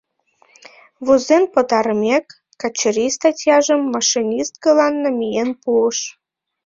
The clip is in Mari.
Возен пытарымек, Качырий статьяжым машинисткылан намиен пуыш.